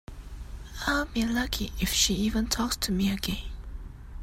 I'll be lucky if she even talks to me again.